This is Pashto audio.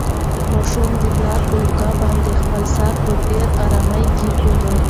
ماشوم د پلار په اوږه باندې خپل سر په ډېرې ارامۍ کېښود.